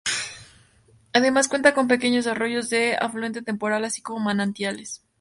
Además cuenta con pequeños arroyos de afluente temporal; así como manantiales.